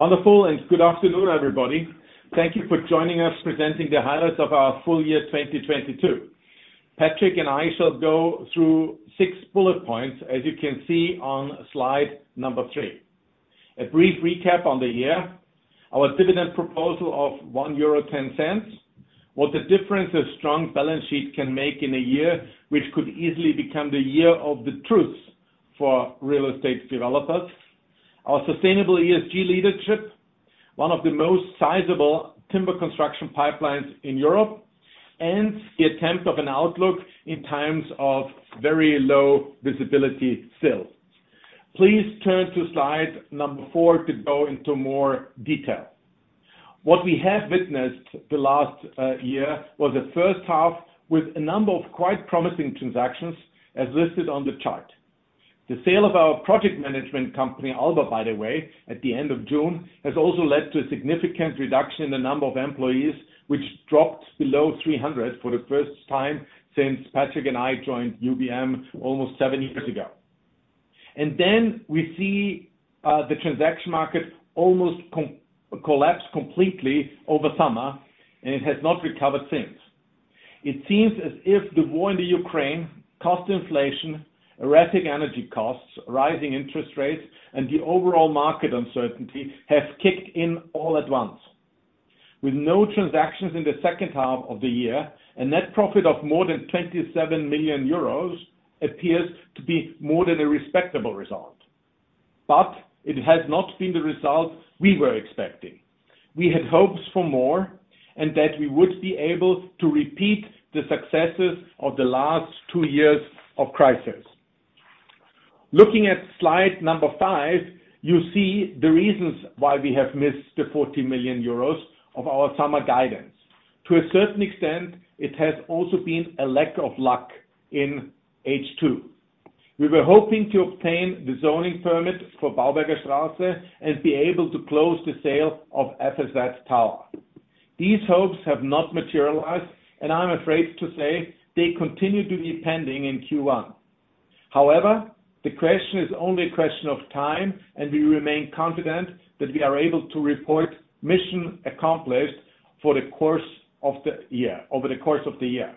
Wonderful, good afternoon, everybody. Thank you for joining us presenting the highlights of our full year 2022. Patric and I shall go through six bullet points as you can see on slide number three. A brief recap on the year, our dividend proposal of 1.10 euro, what the difference a strong balance sheet can make in a year, which could easily become the year of the truth for real estate developers. Our sustainable ESG leadership, one of the most sizable timber construction pipelines in Europe, and the attempt of an outlook in times of very low visibility still. Please turn to slide number four to go into more detail. What we have witnessed the last year was the first half with a number of quite promising transactions as listed on the chart. The sale of our project management company, Alba, by the way, at the end of June, has also led to a significant reduction in the number of employees, which dropped below 300 for the first time since Patric and I joined UBM almost seven years ago. Then we see the transaction market almost collapse completely over summer, and it has not recovered since. It seems as if the war in the Ukraine, cost inflation, erratic energy costs, rising interest rates, and the overall market uncertainty have kicked in all at once. With no transactions in the second half of the year, a net profit of more than 27 million euros appears to be more than a respectable result. It has not been the result we were expecting. We had hopes for more, and that we would be able to repeat the successes of the last two years of crisis. Looking at slide number five, you see the reasons why we have missed the 40 million euros of our summer guidance. To a certain extent, it has also been a lack of luck in H2. We were hoping to obtain the zoning permit for Baubergerstraße and be able to close the sale of F.A.Z. Tower. These hopes have not materialized, and I'm afraid to say they continue to be pending in Q1. However, the question is only a question of time, and we remain confident that we are able to report mission accomplished for the course of the year, over the course of the year.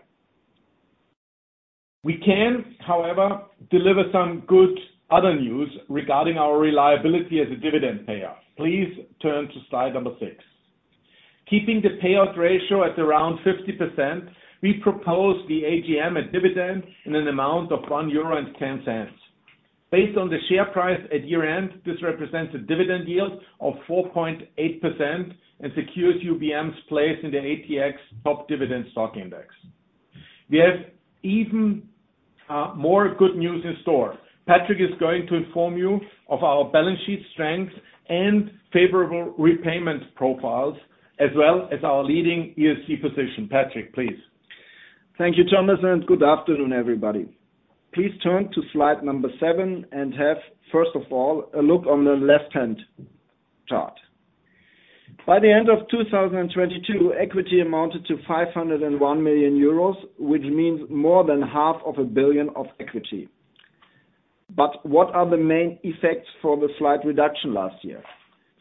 We can, however, deliver some good other news regarding our reliability as a dividend payer. Please turn to slide number six. Keeping the payout ratio at around 50%, we propose the AGM and dividend in an amount of 1.10 euro. Based on the share price at year-end, this represents a dividend yield of 4.8% and secures UBM's place in the ATX top dividend stock index. We have even more good news in store. Patric is going to inform you of our balance sheet strength and favorable repayment profiles, as well as our leading ESG position. Patric, please. Thank you, Thomas. Good afternoon, everybody. Please turn to slide number seven and have, first of all, a look on the left-hand chart. By the end of 2022, equity amounted to 501 million euros, which means more than half of a billion of equity. What are the main effects for the slight reduction last year?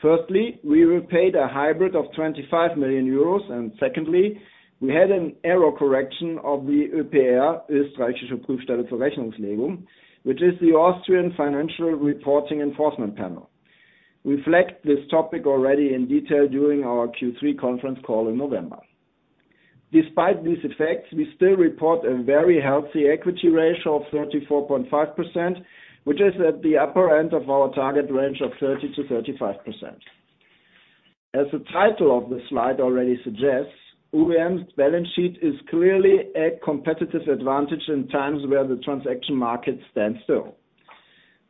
Firstly, we repaid a hybrid of 25 million euros, and secondly, we had an error correction of the OePR, Österreichische Prüfstelle für Rechnungslegung, which is the Austrian Financial Reporting Enforcement Panel. Reflect this topic already in detail during our Q3 conference call in November. Despite these effects, we still report a very healthy equity ratio of 34.5%, which is at the upper end of our target range of 30%-35%. As the title of this slide already suggests, UBM's balance sheet is clearly a competitive advantage in times where the transaction market stands still.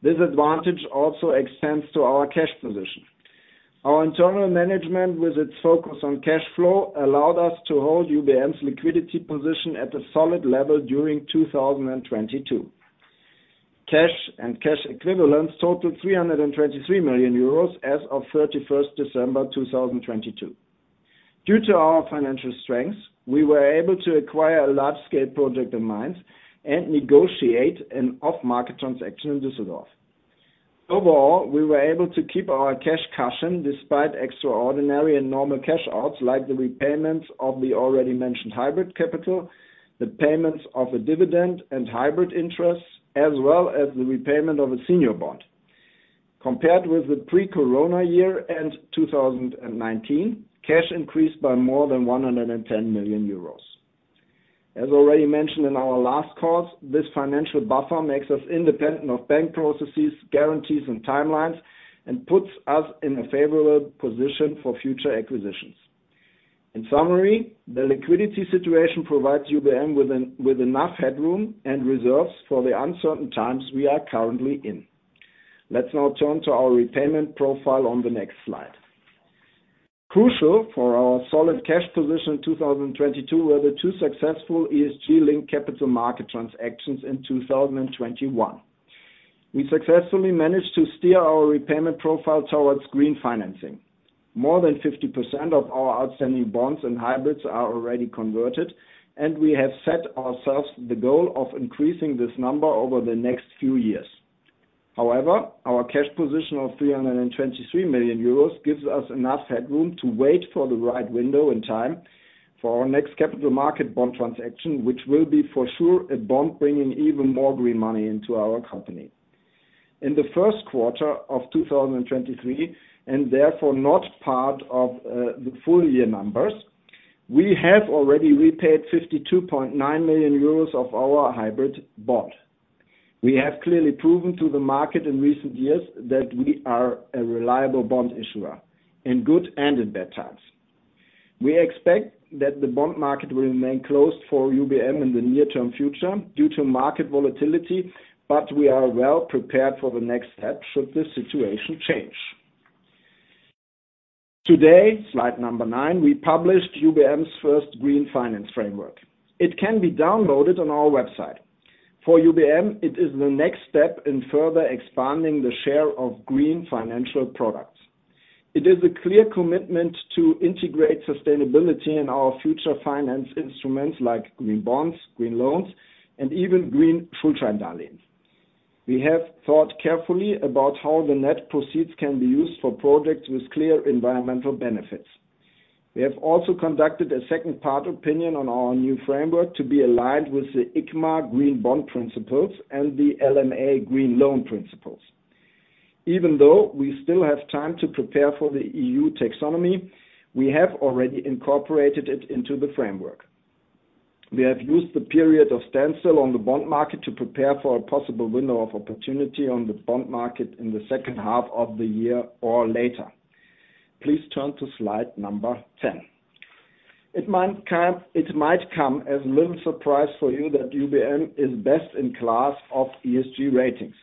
This advantage also extends to our cash position. Our internal management, with its focus on cash flow, allowed us to hold UBM's liquidity position at a solid level during 2022. Cash and cash equivalents totaled 323 million euros as of 31st December, 2022. Due to our financial strength, we were able to acquire a large-scale project in Mainz and negotiate an off-market transaction in Düsseldorf. Overall, we were able to keep our cash cushion despite extraordinary and normal cash outs like the repayments of the already mentioned hybrid capital, the payments of a dividend and hybrid interests, as well as the repayment of a senior bond. Compared with the pre-corona year and 2019, cash increased by more than 110 million euros. As already mentioned in our last calls, this financial buffer makes us independent of bank processes, guarantees, and timelines, and puts us in a favorable position for future acquisitions. In summary, the liquidity situation provides UBM with enough headroom and reserves for the uncertain times we are currently in. Let's now turn to our repayment profile on the next slide. Crucial for our solid cash position in 2022 were the two successful ESG-linked capital market transactions in 2021. We successfully managed to steer our repayment profile towards green financing. More than 50% of our outstanding bonds and hybrids are already converted, and we have set ourselves the goal of increasing this number over the next few years. However, our cash position of 323 million euros gives us enough headroom to wait for the right window and time for our next capital market bond transaction, which will be for sure a bond bringing even more green money into our company. In the first quarter of 2023, and therefore not part of the full year numbers, we have already repaid 52.9 million euros of our hybrid bond. We have clearly proven to the market in recent years that we are a reliable bond issuer in good and in bad times. We expect that the bond market will remain closed for UBM in the near-term future due to market volatility, but we are well prepared for the next step should the situation change. Today, slide number nine, we published UBM's first Green Finance Framework. It can be downloaded on our website. For UBM, it is the next step in further expanding the share of green financial products. It is a clear commitment to integrate sustainability in our future finance instruments like Green bonds, Green loans, and even Green Schuldscheindarlehen. We have thought carefully about how the net proceeds can be used for products with clear environmental benefits. We have also conducted a second part opinion on our new framework to be aligned with the ICMA Green Bond Principles albeit LMA Green Loan Principles. Even though we still have time to prepare for the EU Taxonomy, we have already incorporated it into the framework. We have used the period of standstill on the bond market to prepare for a possible window of opportunity on the bond market in the second half of the year or later. Please turn to slide number 10. It might come as a little surprise for you that UBM is best in class of ESG ratings.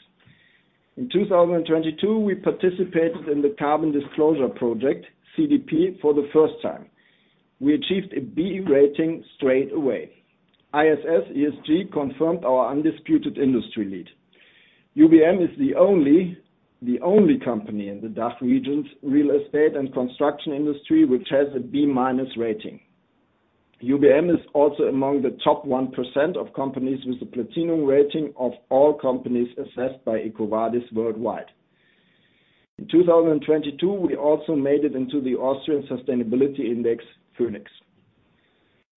In 2022, we participated in the Carbon Disclosure Project (CDP) for the first time. We achieved a B rating straight away. ISS ESG confirmed our undisputed industry lead. UBM is the only company in the DACH region, real estate, and construction industry which has a B- rating. UBM is also among the top 1% of companies with a Platinum rating of all companies assessed by EcoVadis worldwide. In 2022, we also made it into the Austrian Sustainability Index (VÖNIX).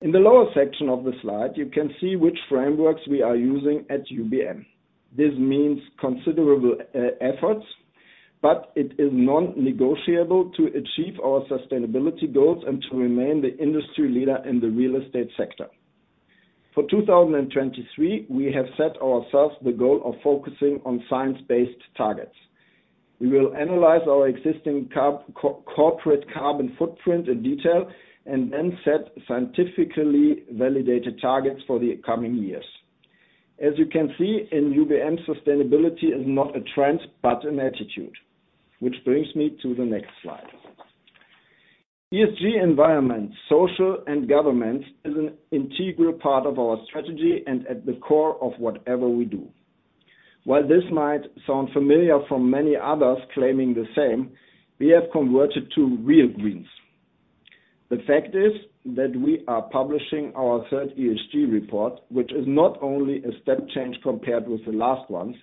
In the lower section of the slide, you can see which frameworks we are using at UBM. This means considerable efforts but it is non-negotiable to achieve our sustainability goals and to remain the industry leader in the real estate sector. For 2023, we have set ourselves the goal of focussing on science-based targets. We will analyse our existing corporate carbon footprint in detail and then set scientifically validated targets for the coming years. As you can see, in UBM, sustainability is not a trend but an attitude, which brings me to the next slide. ESG environment, social, and government is an integral part of our strategy and at the core of whatever we do. While this might sound familiar for many others claiming the same, we have converted to real wins. The fact is that we are publishing our third ESG report which is not only a step change compared with the last ones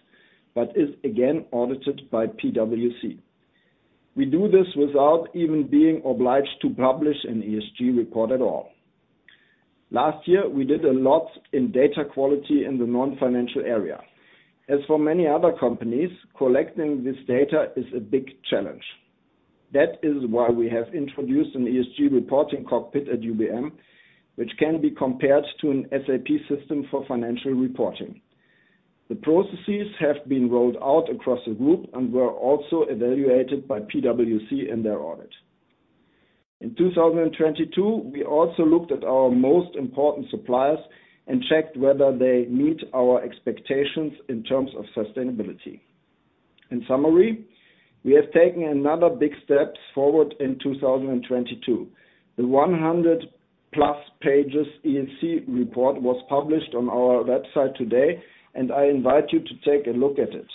but is again audited by PwC. We do this without even being obliged to publish an ESG report at all. Last year, we did a lot in data quality in the non-financial area. As for many other companies, collecting this data is a big challenge. That is why we have introduced an ESG reporting cockpit at UBM which can be compared to an SAP system for financial reporting. The processes have been rolled out across the group and were also evaluated by PwC in their audit. In 2022, we also looked at our most important suppliers and checked whether they meet our expectations in terms of sustainability. In summary, we have taken another big step forward in 2022. The 100+ pages ESG report was published on our website today and I invite you to take a look at it.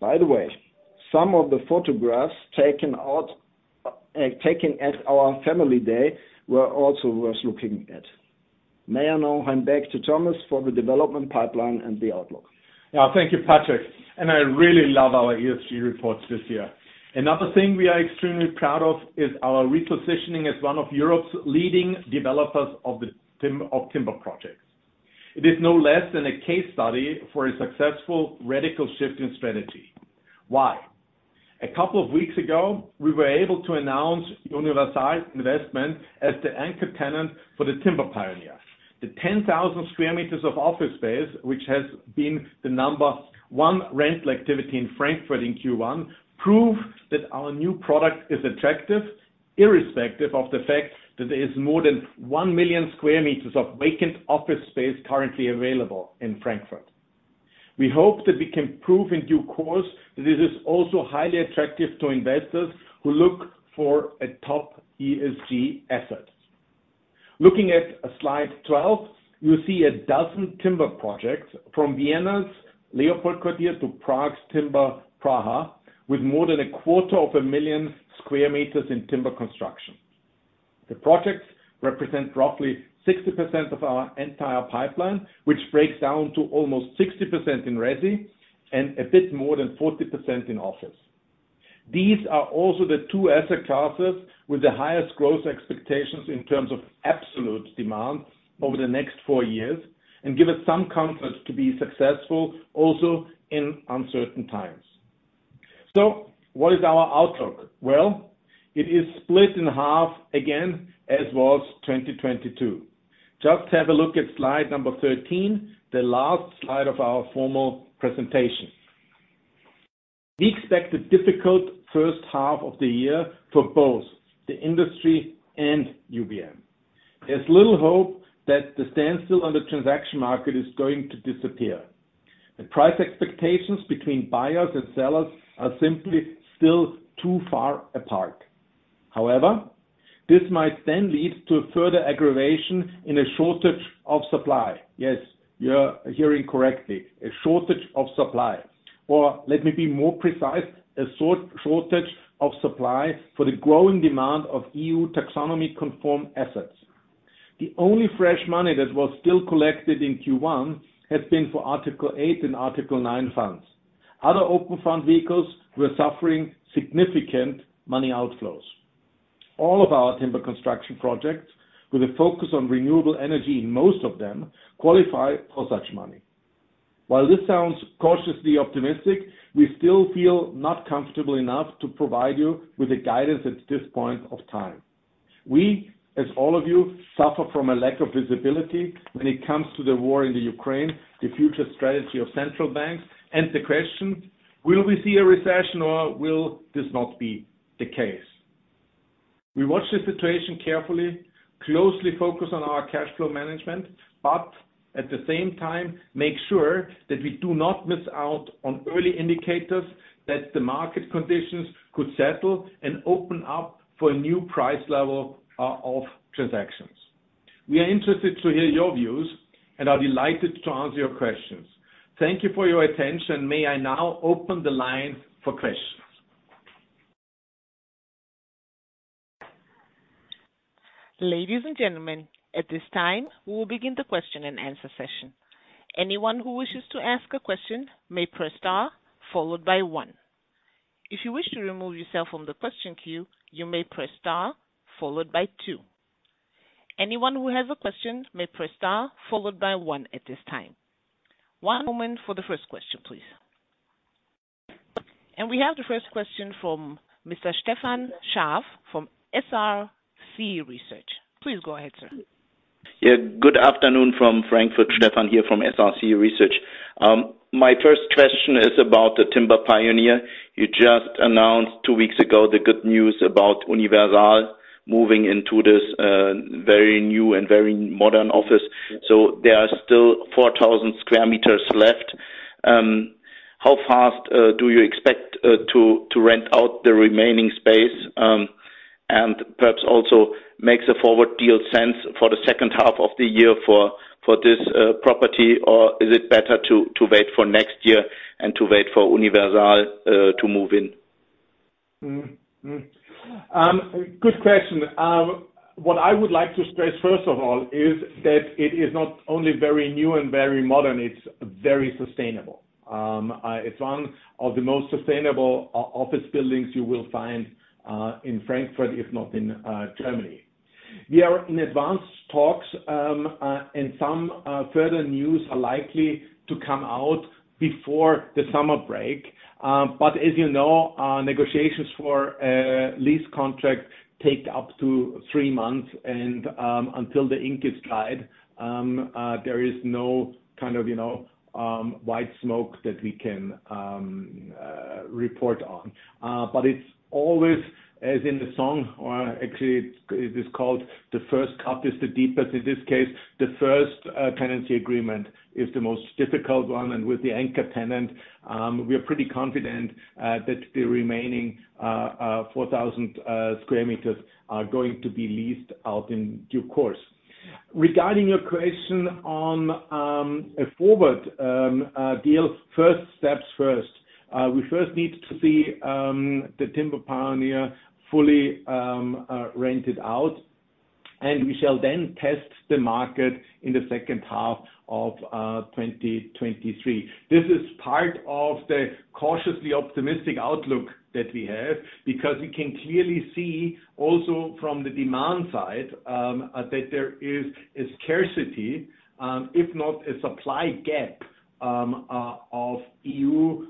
By the way, some of the photographs taken at our Family Day were also worth looking at. May I now hand back to Thomas for the development pipeline and the outlook. Now, thank you, Patric. I really love our ESG reports this year. Another thing we are extremely proud of is our repositioning as one of Europe's leading developers of timber projects. It is no less than a case study for a successful radical shift in strategy. Why? A couple of weeks ago, we were able to announce Universal Investment as the anchor tenant for the Timber Pioneer. The 10,000 sq m of office space, which has been the number one rental activity in Frankfurt in Q1, prove that our new product is attractive, irrespective of the fact that there is more than 1 million sq m of vacant office space currently available in Frankfurt. We hope that we can prove in due course that this is also highly attractive to investors who look for a top ESG asset. Looking at slide 12, you see 12 timber projects from Vienna's LeopoldQuartier to Prague's Timber Praha, with more than a quarter of a million square meters in timber construction. The projects represent roughly 60% of our entire pipeline, which breaks down to almost 60% in resi and a bit more than 40% in office. These are also the two asset classes with the highest growth expectations in terms of absolute demand over the next four years, and give us some comfort to be successful also in uncertain times. What is our outlook? Well, it is split in half again, as was 2022. Just have a look at slide number 13, the last slide of our formal presentation. We expect a difficult first half of the year for both the industry and UBM. There's little hope that the standstill on the transaction market is going to disappear. The price expectations between buyers and sellers are simply still too far apart. This might then lead to a further aggravation in a shortage of supply. Yes, you're hearing correctly, a shortage of supply. Let me be more precise, a short-shortage of supply for the growing demand of EU Taxonomy conformed assets. The only fresh money that was still collected in Q1 has been for Article 8 and Article 9 funds. Other open fund vehicles were suffering significant money outflows. All of our timber construction projects, with a focus on renewable energy in most of them, qualify for such money. This sounds cautiously optimistic, we still feel not comfortable enough to provide you with a guidance at this point of time. We, as all of you, suffer from a lack of visibility when it comes to the war in the Ukraine, the future strategy of central banks, and the question, will we see a recession or will this not be the case? We watch the situation carefully, closely focus on our cash flow management, but at the same time, make sure that we do not miss out on early indicators that the market conditions could settle and open up for a new price level of transactions. We are interested to hear your views and are delighted to answer your questions. Thank you for your attention. May I now open the line for questions? Ladies and gentlemen, at this time, we will begin the question and answer session. Anyone who wishes to ask a question may press star followed by one. If you wish to remove yourself from the question queue, you may press star followed by two. Anyone who has a question may press star followed by one at this time. One moment for the first question, please. We have the first question from Mr. Stefan Scharff from SRC Research. Please go ahead, sir. Good afternoon from Frankfurt, Stefan here from SRC Research. My first question is about the Timber Pioneer. You just announced two weeks ago the good news about Universal moving into this very new and very modern office. There are still 4,000 sq m left. How fast do you expect to rent out the remaining space, and perhaps also makes a forward deal sense for the second half of the year for this property, or is it better to wait for next year and to wait for Universal to move in? Good question. What I would like to stress, first of all, is that it is not only very new and very modern, it is very sustainable. It is one of the most sustainable office buildings you will find in Frankfurt, if not in Germany. We are in advanced talks, and some further news are likely to come out before the summer break. As you know, negotiations for a lease contract take up to three months and until the ink is dried, there is no kind of, you know, white smoke that we can report on. It is always as in the song or actually it is called The First Cut Is the Deepest. In this case, the first tenancy agreement is the most difficult one. With the anchor tenant, we are pretty confident that the remaining 4,000 sq m are going to be leased out in due course. Regarding your question on a forward deal, first steps first. We first need to see the Timber Pioneer fully rented out, and we shall then test the market in the second half of 2023. This is part of the cautiously optimistic outlook that we have because we can clearly see also from the demand side that there is a scarcity, if not a supply gap, of EU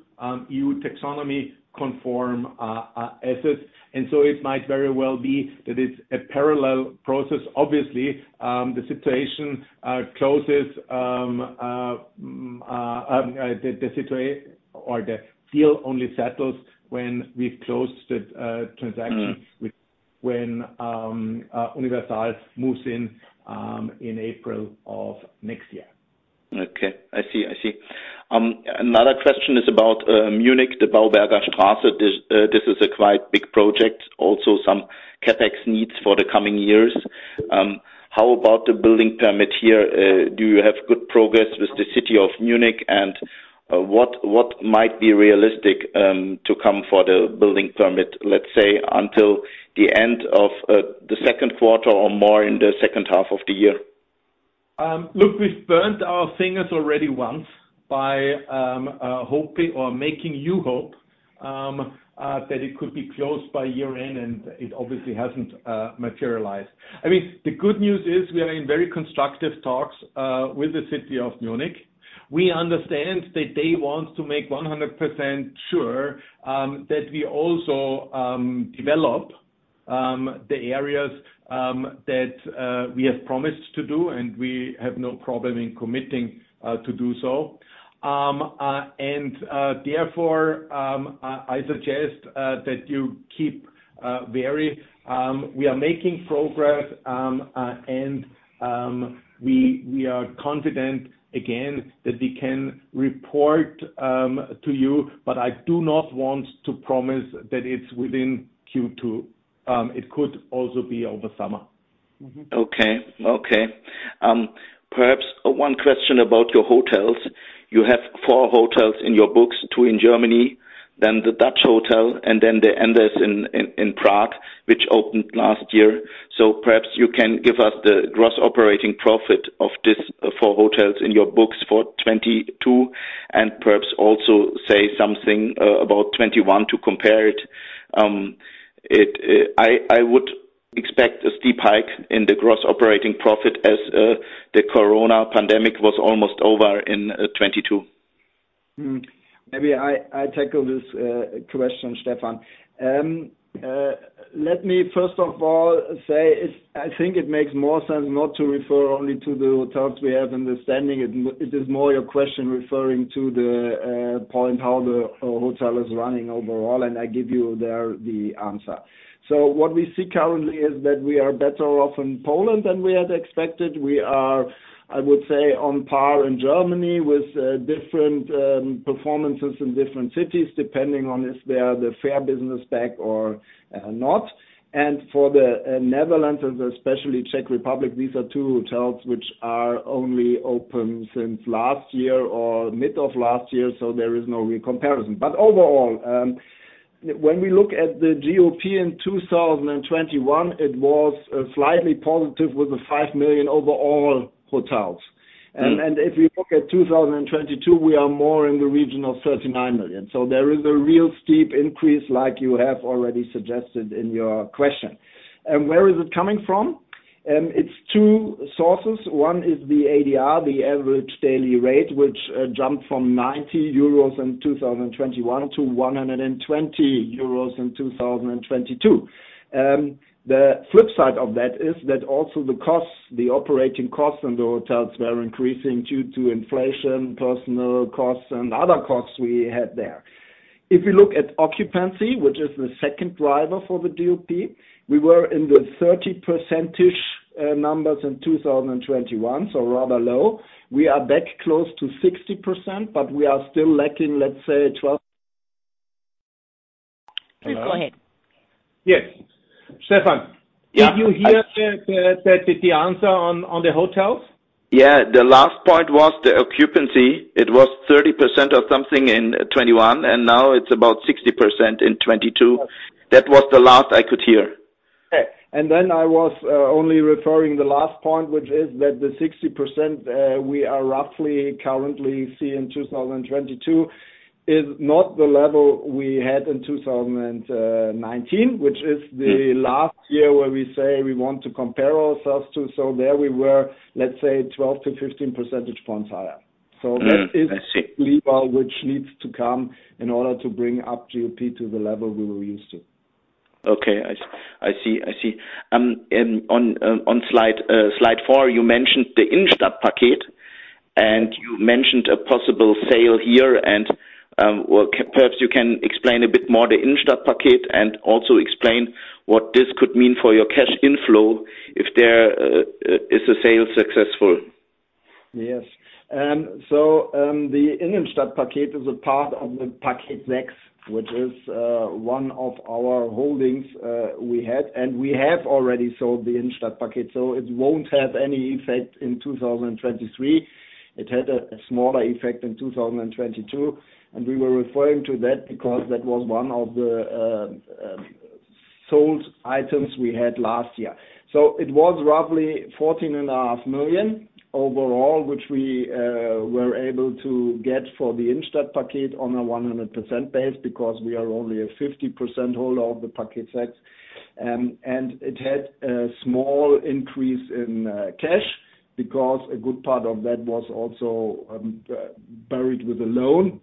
EU Taxonomy conform assets. It might very well be that it's a parallel process. Obviously, the situation closes, or the deal only settles when we've closed the transactions with when Universal Investment moves in April of next year. Okay. I see. I see. Another question is about Munich, the Baubergerstraße. This is a quite big project, also some CapEx needs for the coming years. How about the building permit here? Do you have good progress with the city of Munich? What might be realistic to come for the building permit, let's say, until the end of the second quarter or more in the second half of the year? Look, we've burnt our fingers already once by hoping or making you hope that it could be closed by year-end, and it obviously hasn't materialized. I mean, the good news is we are in very constructive talks with the city of Munich. We understand that they want to make 100% sure that we also develop the areas that we have promised to do, and we have no problem in committing to do so. Therefore, I suggest that you keep vary. We are making progress, and we are confident again that we can report to you. I do not want to promise that it's within Q2. It could also be over summer. Okay. Okay. Perhaps one question about your hotels. You have four hotels in your books, two in Germany, then the Dutch hotel, and then the Andaz in Prague, which opened last year. Perhaps you can give us the gross operating profit of this four hotels in your books for 2022, and perhaps also say something about 2021 to compare it. I would expect a steep hike in the gross operating profit as the corona pandemic was almost over in 2022. Maybe I tackle this question, Stefan. Let me first of all say is I think it makes more sense not to refer only to the hotels we have understanding. It is more your question referring to the point how the hotel is running overall, and I give you there the answer. What we see currently is that we are better off in Poland than we had expected. We are, I would say, on par in Germany with different performances in different cities, depending on if they are the fair business back or not. For the Netherlands and especially Czech Republic, these are two hotels which are only open since last year or mid of last year, so there is no real comparison. Overall, when we look at the GOP in 2021, it was slightly positive with 5 million overall hotels. If we look at 2022, we are more in the region of 39 million. There is a real steep increase like you have already suggested in your question. Where is it coming from? It's two sources. One is the ADR, the Average Daily Rate, which jumped from 90 euros in 2021 to 120 euros in 2022. The flip side of that is that also the costs, the operating costs in the hotels were increasing due to inflation, personal costs, and other costs we had there. You look at occupancy, which is the second driver for the GOP, we were in the 30% numbers in 2021, so rather low. We are back close to 60%, but we are still lacking, let's say, twelve. Please go ahead. Yes. Stefan, did you hear the answer on the hotels? Yeah. The last point was the occupancy. It was 30% or something in 2021, now it's about 60% in 2022. That was the last I could hear. I was only referring the last point, which is that the 60% we are roughly currently seeing 2022 is not the level we had in 2019, which is the last year where we say we want to compare ourselves to. There we were, let's say, 12-15 percentage points higher. I see. Which needs to come in order to bring up GOP to the level we were used to. Okay. I see, I see. On slide four, you mentioned the Innenstadtpaket, and you mentioned a possible sale here. Well, perhaps you can explain a bit more the Innenstadtpaket and also explain what this could mean for your cash inflow if there is a sale successful. Yes. So the Innenstadtpaket is a part of the Paket X, which is one of our holdings we had, and we have already sold the Innenstadtpaket. It won't have any effect in 2023. It had a smaller effect in 2022, and we were referring to that because that was one of the sold items we had last year. It was roughly 14.5 million overall, which we were able to get for the Innenstadtpaket on a 100% base because we are only a 50% holder of the Paket X. And it had a small increase in cash because a good part of that was also buried with a loan.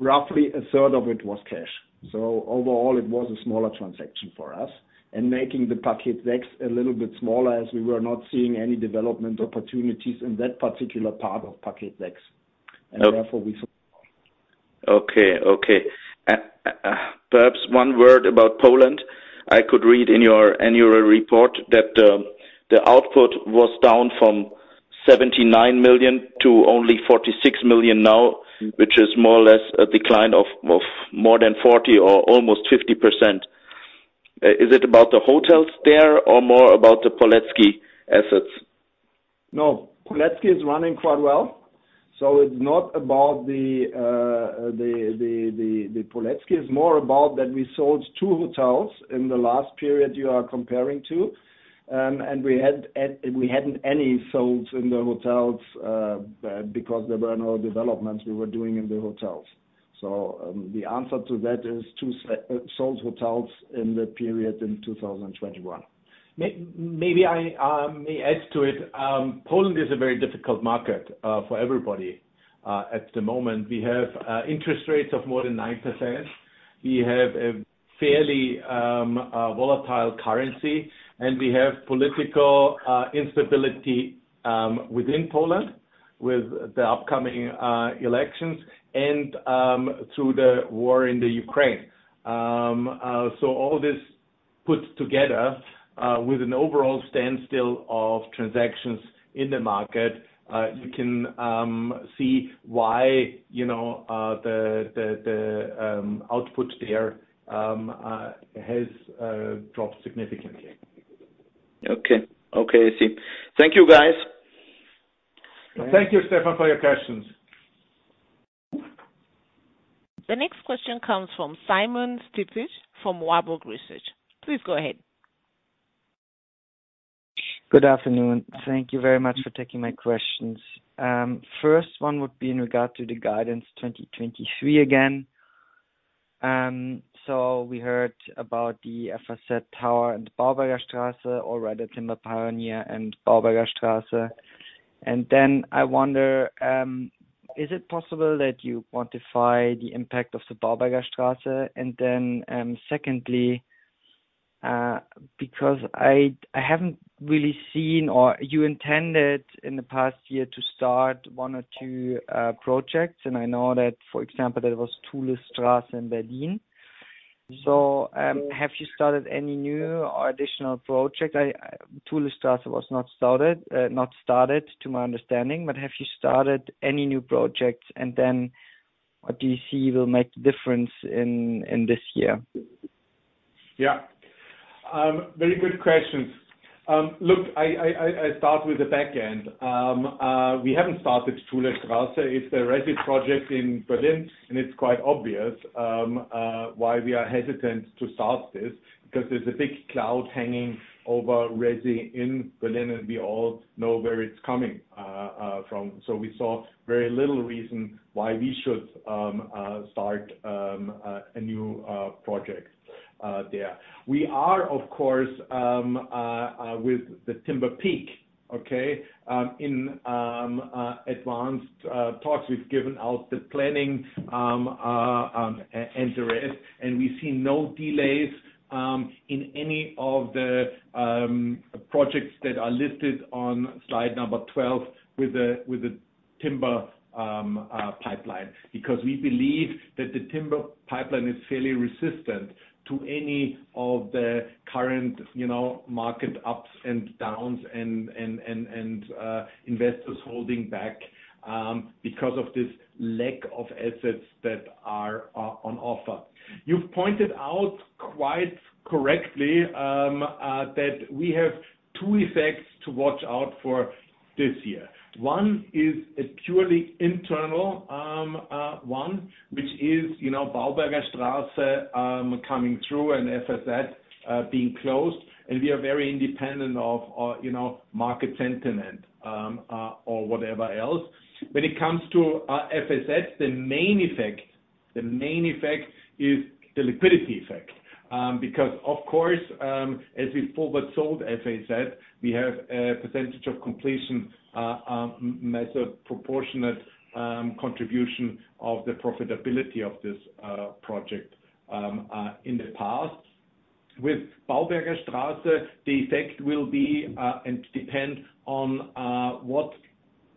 Roughly a third of it was cash. Overall, it was a smaller transaction for us and making the Paket X a little bit smaller as we were not seeing any development opportunities in that particular part of Paket X. Therefore, we sold. Okay. Okay. Perhaps one word about Poland. I could read in your annual report that the output was down from 79 million to only 46 million now, which is more or less a decline of more than 40% or almost 50%. Is it about the hotels there or more about the Poleczki assets? No, Poleczki is running quite well. It's not about the Poleczki. It's more about that we sold two hotels in the last period you are comparing to, and we hadn't any sold in the hotels because there were no developments we were doing in the hotels. The answer to that is two sold hotels in the period in 2021. Maybe I may add to it. Poland is a very difficult market for everybody at the moment. We have interest rates of more than 9%. We have a fairly volatile currency, and we have political instability within Poland with the upcoming elections and through the war in the Ukraine. All this put together, with an overall standstill of transactions in the market, you can see why, you know, the, the, output there, has dropped significantly. Okay. Okay, I see. Thank you, guys. Thank you, Stefan, for your questions. The next question comes from Simon Stippig from Warburg Research. Please go ahead. Good afternoon. Thank you very much for taking my questions. First one would be in regard to the guidance 2023 again. We heard about the F.A.Z. tower and Baubergerstraße, or rather Timber Pioneer and Baubergerstraße. I wonder, is it possible that you quantify the impact of the Baubergerstraße? Secondly, because I haven't really seen or you intended in the past year to start one or two projects, and I know that, for example, there was Thulestraße in Berlin. Have you started any new or additional projects? I, Thulestraße was not started to my understanding. Have you started any new projects? What do you see will make the difference in this year? Yeah. Very good questions. Look, I start with the back end. We haven't started Thulestraße. It's a resi project in Berlin, and it's quite obvious why we are hesitant to start this because there's a big cloud hanging over resi in Berlin, and we all know where it's coming from. We saw very little reason why we should start a new project there. We are, of course, with the Timber Peak, okay, in advanced talks. We've given out the planning and the rest, and we see no delays in any of the projects that are listed on slide number 12 with the Timber pipeline. We believe that the Timber pipeline is fairly resistant to any of the current market ups and downs and investors holding back because of this lack of assets that are on offer. You've pointed out quite correctly that we have two effects to watch out for this year. One is a purely internal one, which is Baubergerstraße coming through and F.A.Z being closed, we are very independent of market sentiment or whatever else. When it comes to F.A.Z., the main effect is the liquidity effect. Of course, as we forward sold F.A.Z., we have a percentage of completion as a proportionate contribution of the profitability of this project in the past. With Baubergerstraße, the effect will be, and depend on, what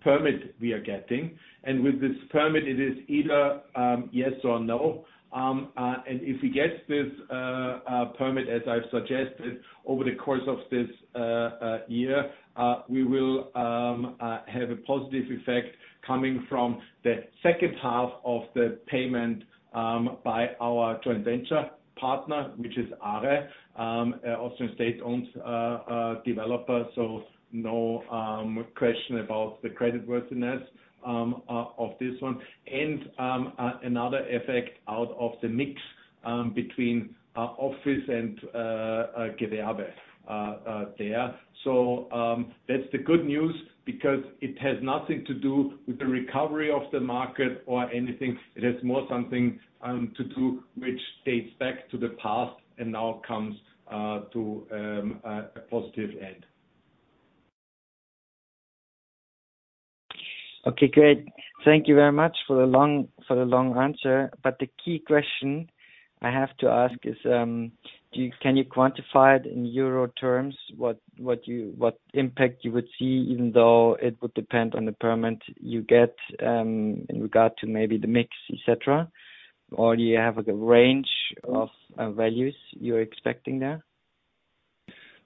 permit we are getting. With this permit, it is either yes or no. If we get this permit, as I've suggested over the course of this year, we will have a positive effect coming from the second half of the payment by our joint venture partner, which is ARE, a Austrian state-owned developer. No question about the creditworthiness of this one. Another effect out of the mix between office and there. That's the good news because it has nothing to do with the recovery of the market or anything. It has more something to do which dates back to the past and now comes to a positive end. Okay, great. Thank you very much for the long answer. The key question I have to ask is, can you quantify it in Euro terms, what impact you would see, even though it would depend on the permit you get, in regard to maybe the mix, et cetera? Or do you have like a range of values you're expecting there?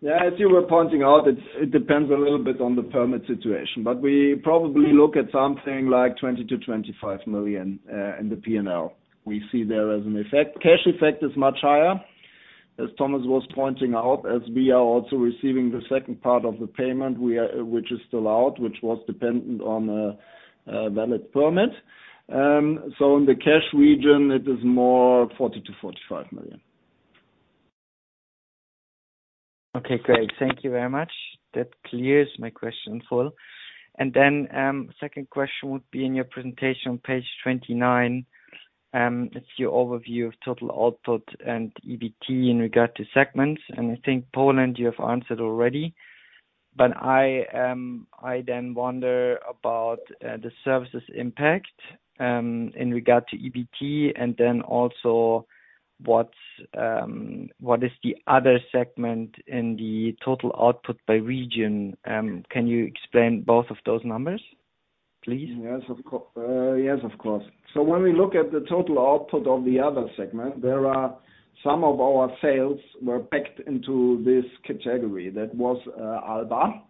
As you were pointing out, it depends a little bit on the permit situation. We probably look at something like 20 million-25 million in the P&L. We see there as an effect. Cash effect is much higher, as Thomas was pointing out, as we are also receiving the second part of the payment which is still out, which was dependent on a valid permit. In the cash region it is more 40 million-45 million. Okay, great. Thank you very much. That clears my question in full. Second question would be in your presentation on page 29, it's your overview of total output and EBT in regard to segments, and I think Poland you have answered already. I then wonder about the services impact in regard to EBT, and then also what is the other segment in the total output by region. Can you explain both of those numbers, please? Yes, of course. When we look at the total output of the other segment, there are some of our sales were backed into this category. That was Alba.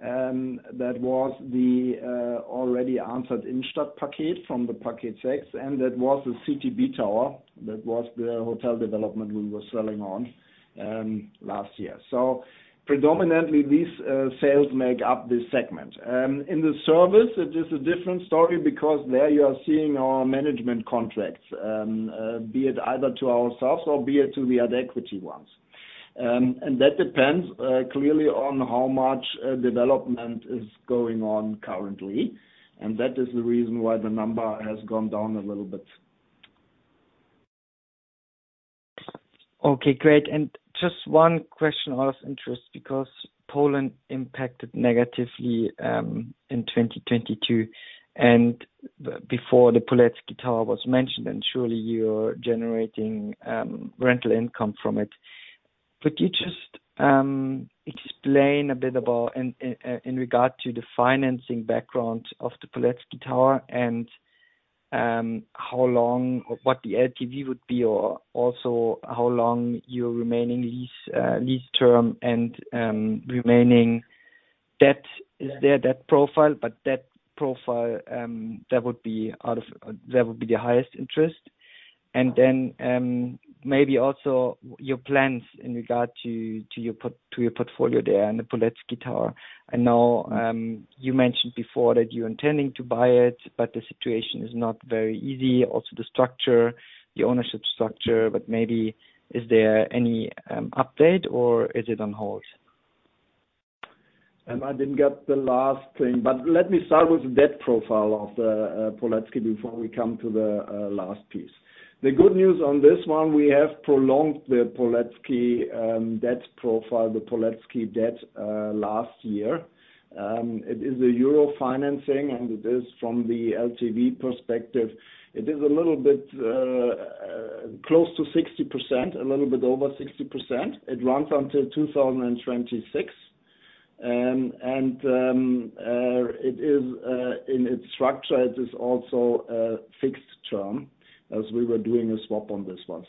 That was the already answered in Stadtpaket from the Paket 6, and that was the CTB tower. That was the hotel development we were selling on last year. Predominantly these sales make up this segment. In the service, it is a different story because there you are seeing our management contracts, be it either to ourselves or be it to the other equity ones. That depends clearly on how much development is going on currently, and that is the reason why the number has gone down a little bit. Okay, great. Just one question out of interest because Poland impacted negatively in 2022 and before the Poleczki Tower was mentioned, and surely you're generating rental income from it. Could you just explain a bit about in regard to the financing background of the Poleczki Tower and how long or what the LTV would be or also how long your remaining lease term and remaining debt is there, debt profile? That would be the highest interest. Then, maybe also your plans in regard to your portfolio there in the Poleczki Tower. I know, you mentioned before that you're intending to buy it, but the situation is not very easy, also the structure, the ownership structure. Maybe is there any update or is it on hold? I didn't get the last thing, but let me start with the debt profile of the Poleczki before we come to the last piece. The good news on this one, we have prolonged the Poleczki debt profile, the Poleczki debt, last year. It is a Euro financing, and it is from the LTV perspective. It is a little bit close to 60%, a little bit over 60%. It runs until 2026, and it is in its structure, it is also a fixed term as we were doing a swap on this one.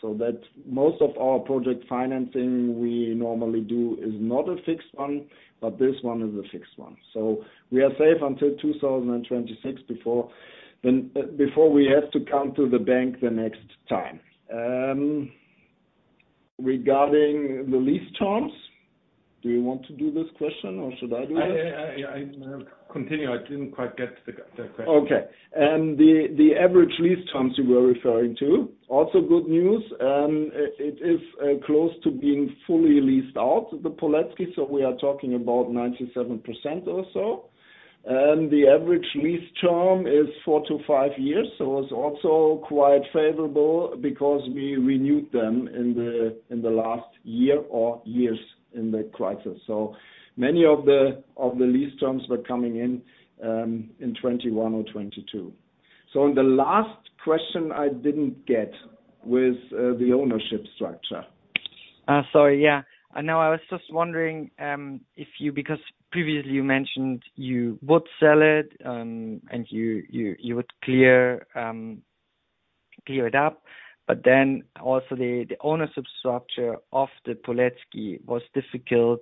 Most of our project financing we normally do is not a fixed one, but this one is a fixed one. We are safe until 2026 before then, before we have to come to the bank the next time. Regarding the lease terms, do you want to do this question or should I do it? Continue. I didn't quite get the question. The average lease terms you were referring to, also good news. It is close to being fully leased out, the Poleczki. We are talking about 97% or so. The average lease term is 4-5 years. It's also quite favorable because we renewed them in the last year or years in the crisis. Many of the lease terms were coming in 2021 or 2022. On the last question I didn't get with the ownership structure. Sorry, yeah. I know, I was just wondering. Previously you mentioned you would sell it, and you would clear it up. Also the ownership structure of the Poleczki was difficult,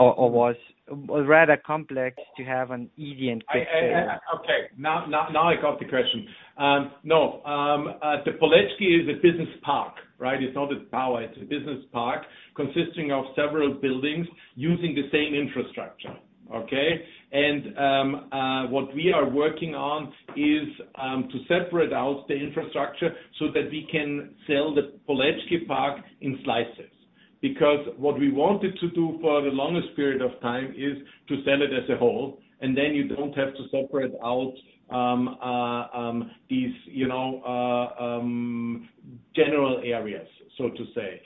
or was rather complex to have an easy and quick sale? Okay. Now I got the question. No, the Poleczki is a business park, right? It's not a tower, it's a business park consisting of several buildings using the same infrastructure. Okay? What we are working on is to separate out the infrastructure so that we can sell the Poleczki Park in slices. Because what we wanted to do for the longest period of time is to sell it as a whole, and then you don't have to separate out these, you know, general areas, so to say.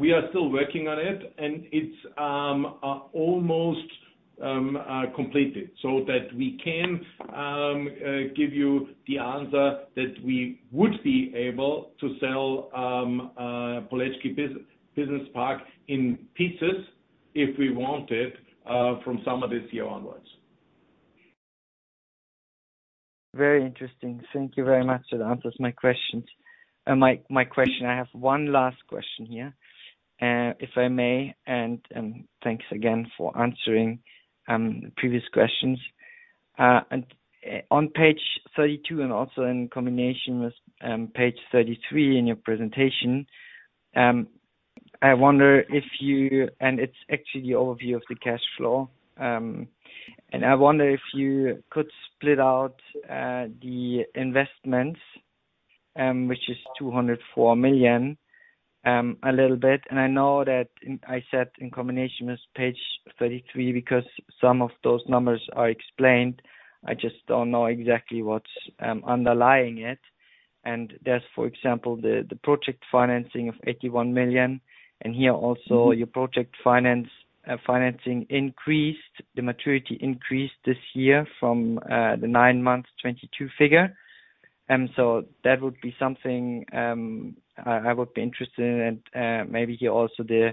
We are still working on it, and it's almost completed so that we can give you the answer that we would be able to sell Poleczki Business Park in pieces if we wanted from summer this year onwards. Very interesting. Thank you very much. That answers my question. I have one last question here, if I may, and thanks again for answering the previous questions. On page 32 and also in combination with page 33 in your presentation, I wonder if you. It's actually the overview of the cash flow. I wonder if you could split out the investments, which is 204 million, a little bit. I know that I said in combination with page 33, because some of those numbers are explained. I just don't know exactly what's underlying it. There's, for example, the project financing of 81 million. Here also your project financing increased. The maturity increased this year from the nine month 2022 figure. That would be something, I would be interested in. Maybe here also the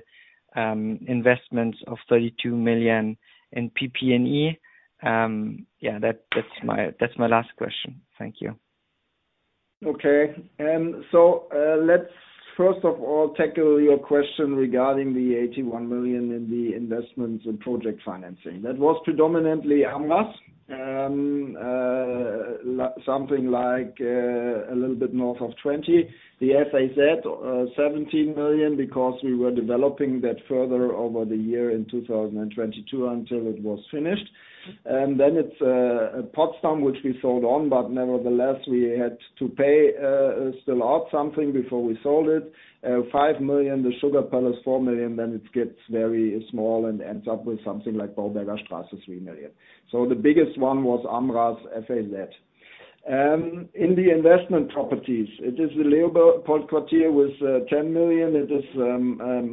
investments of 32 million in PP&E. Yeah, that's my last question. Thank you. Okay. Let's first of all tackle your question regarding the 81 million in the investments and project financing. That was predominantly Amras. A little bit north of 20 million. The F.A.Z. 17 million because we were developing that further over the year in 2022 until it was finished. It's Potsdam, which we sold on, but nevertheless, we had to pay still out something before we sold it. 5 million, the Sugar Palace, 4 million, then it gets very small and ends up with something like Baubergerstraße, 3 million. The biggest one was Amras F.A.Z. In the investment properties, it is the LeopoldQuartier with 10 million. It is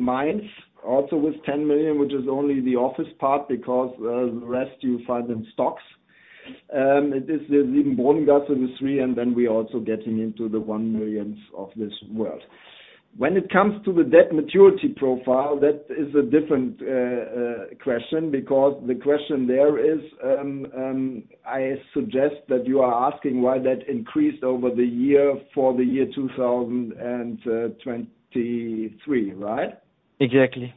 Mainz also with 10 million, which is only the office part because the rest you find in stocks. It is the Liebigstraße with three, and then we're also getting into the 1 million of this world. When it comes to the debt maturity profile, that is a different question because the question there is, I suggest that you are asking why that increased over the year for the year 2023, right? Exactly.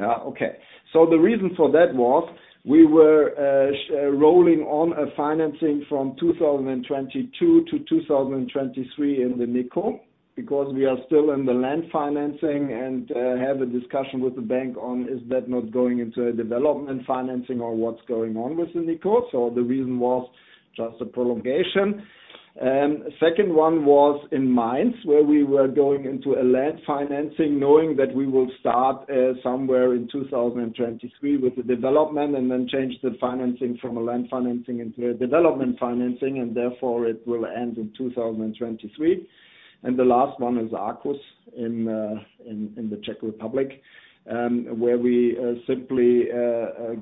Yeah. Okay. The reason for that was we were rolling on a financing from 2022 to 2023 in the nico because we are still in the land financing and have a discussion with the bank on, is that not going into a development financing or what's going on with the nico? The reason was just a prolongation. Second one was in Mainz, where we were going into a land financing, knowing that we will start somewhere in 2023 with the development and then change the financing from a land financing into a development financing, and therefore it will end in 2023. The last one is Arcus in the Czech Republic, where we simply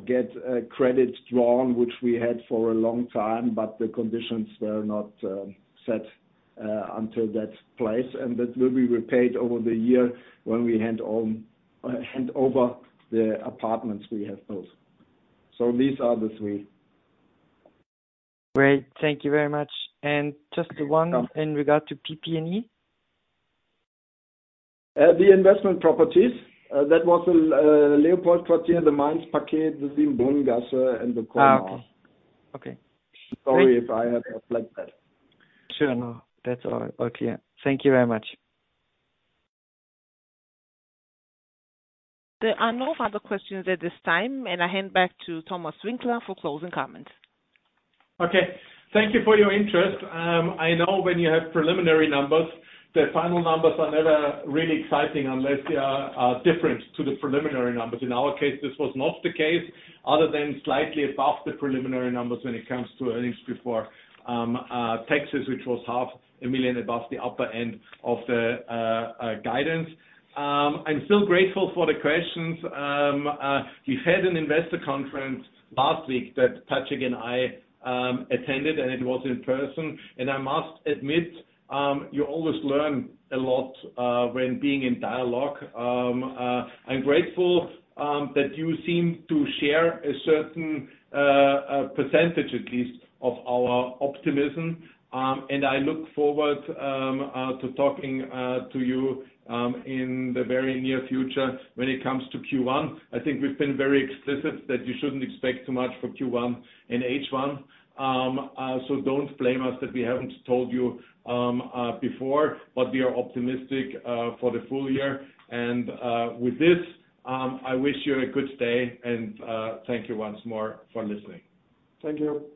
get a credit drawn, which we had for a long time, but the conditions were not set until that place. That will be repaid over the year when we hand over the apartments we have built. These are the three. Great. Thank you very much. Just one in regard to PP&E. The investment properties, that was, the LeopoldQuartier, the Mainz Paket, the Liebigstraße, and the Cornaux. Oh, okay. Okay. Sorry if I have overlapped that. Sure. No, that's all okay. Thank you very much. There are no further questions at this time, and I hand back to Thomas Winkler for closing comments. Thank you for your interest. I know when you have preliminary numbers, the final numbers are never really exciting unless they are different to the preliminary numbers. In our case, this was not the case other than slightly above the preliminary numbers when it comes to earnings before taxes, which was 0.5 million above the upper end of the guidance. I'm still grateful for the questions. We've had an an investor conference last week that Patric and I attended, it was in person. I must admit, you always learn a lot when being in dialogue. I'm grateful that you seem to share a certain percentage at least of our optimism. I look forward to talking to you in the very near future when it comes to Q1. I think we've been very explicit that you shouldn't expect too much for Q1 and H1. Don't blame us that we haven't told you before, but we are optimistic for the full year. With this, I wish you a good day and thank you once more for listening. Thank you.